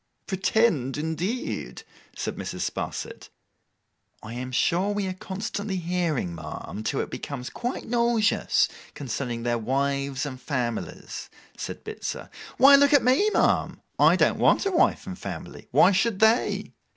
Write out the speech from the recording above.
'Pretend indeed!' said Mrs. Sparsit. 'I am sure we are constantly hearing, ma'am, till it becomes quite nauseous, concerning their wives and families,' said Bitzer. 'Why look at me, ma'am! I don't want a wife and family. Why should they?